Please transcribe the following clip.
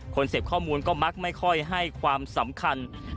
เสพข้อมูลก็มักไม่ค่อยให้ความสำคัญ